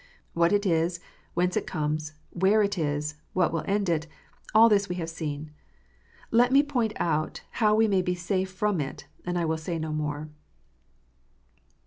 What it* is, whence it comes, where it is, what will end it, all this we have seen. Let me point out how we may be safe from it, and I will say no more.